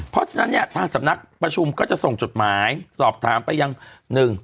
เพราะฉะนั้นเนี่ยทางสำนักประชุมก็จะส่งจดหมายสอบถามไปยังหนึ่ง